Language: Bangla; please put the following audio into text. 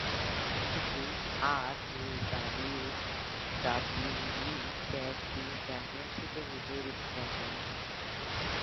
এটি "র"-এর ডাব্লিউডাব্লিউই ট্যাগ টিম চ্যাম্পিয়নশীপের বিপরীত একটি চ্যাম্পিয়নশীপ।